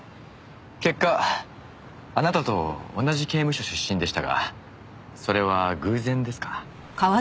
結果あなたと同じ刑務所出身でしたがそれは偶然ですか？